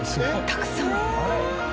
たくさん。